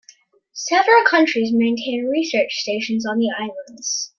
Several countries maintain research stations on the islands.